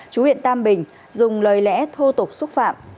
chú huyện tam bình dùng lời lẽ thô tục xúc phạm